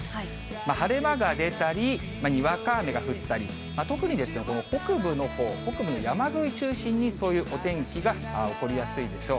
晴れ間が出たり、にわか雨が降ったり、特に北部のほう、北部の山沿い中心に、そういうお天気が起こりやすいでしょう。